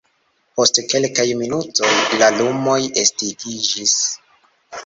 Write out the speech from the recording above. Post kelkaj minutoj, la lumoj estingiĝis.